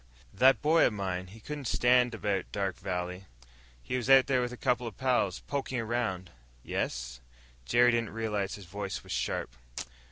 "That boy of mine, he couldn't stand it about Dark Valley. He was out there with a couple of pals, poking around." "Yes?" Jerry didn't realize his voice was sharp.